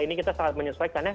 ini kita sangat menyesuaikan ya